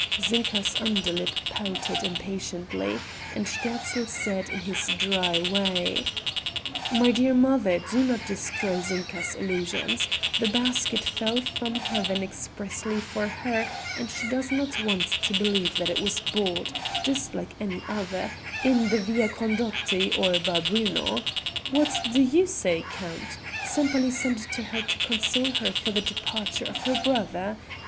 Zinka's underlip pouted impatiently and Sterzl said in his dry way: "My dear mother, do not destroy Zinka's illusions; the basket fell from heaven expressly for her and she does not want to believe that it was bought, just like any other, in the Via Condotti or Babuino. What do you say, Count? Sempaly sent it to her to console her for the departure of her brother.